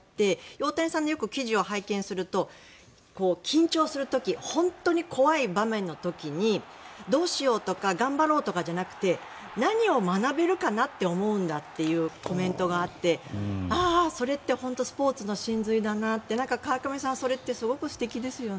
大谷さんの記事をよく拝見すると緊張する時本当に怖い場面の時にどうしようとか頑張ろうとかじゃなくて何を学べるかなと思うんだっていうコメントがありああ、それって本当にスポーツの真髄だなって川上さん、それってすごく素敵ですよね。